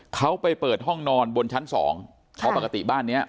เขาไปเปิดห้องนอนบนชั้นสองเพราะปกติบ้านเนี้ย